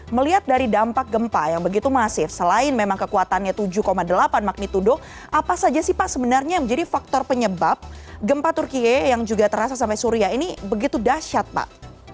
melihat dari dampak gempa yang begitu masif selain memang kekuatannya tujuh delapan magnitudo apa saja sih pak sebenarnya yang menjadi faktor penyebab gempa turkiye yang juga terasa sampai suria ini begitu dahsyat pak